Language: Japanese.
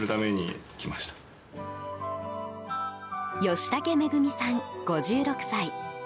吉竹めぐみさん、５６歳。